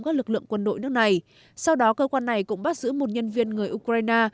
các lực lượng quân đội nước này sau đó cơ quan này cũng bắt giữ một nhân viên người ukraine